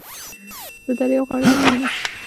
• د دریاب غاړې ته کښېنه.